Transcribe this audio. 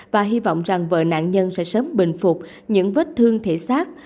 và hy vọng rằng vợ nạn nhân sẽ sớm bình phục những vết thương thể xác